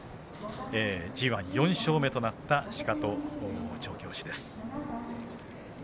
ＧＩ、４勝目となった鹿戸調教師です。